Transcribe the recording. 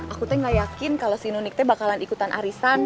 aku tuh nggak yakin kalau si nunik tuh bakalan ikutan arisan